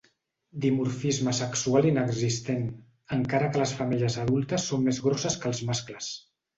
Dimorfisme sexual inexistent, encara que les femelles adultes són més grosses que els mascles.